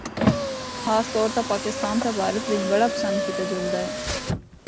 خاص طور تے پاکستان تے بھارت بچ بڑا پسند کیتا جلدا ہے۔